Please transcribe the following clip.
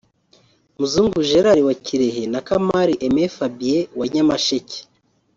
Muzungu Gerard wa Kirehe na Kamali Aimée Fabien wa Nyamasheke